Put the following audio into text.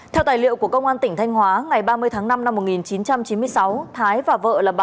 theo tài liệu của công an tp thanh hóa ngày ba mươi tháng năm năm một nghìn chín trăm chín mươi sáu